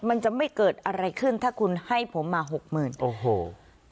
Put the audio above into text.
มันจะไม่เกิดอะไรขึ้นถ้าคุณให้ผมมา๖๐๐๐๐บาท